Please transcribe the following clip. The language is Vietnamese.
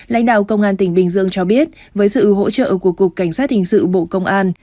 lãnh đạo công an tỉnh bình dương cho biết với sự hỗ trợ của cục cảnh sát hình sự bộ công an